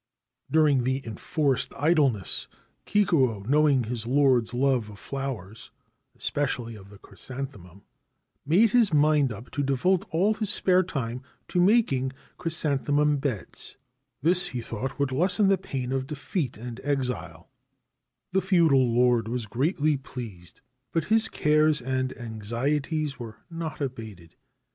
During the enforced idleness Kikuo, knowing his lord's love of flowers (especially of the chrysanthemum), made his mind up to devote all his spare time to making chrysanthemum beds. This, he thought, would lessen the pain of defeat and exile. 287 Ancient Tales and Folklore of Japan The feudal lord was greatly pleased ; but his cares and anxieties were not abated.